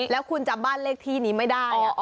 แล้วคุณจำบ้านเลขที่นี้ไม่ได้